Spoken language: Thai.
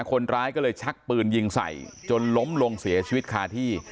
คนร้ายก็เลยชักปืนยิงใส่จนล้มลงเสียชีวิตคาที่